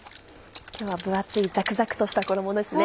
今日は分厚いザクザクとした衣ですね。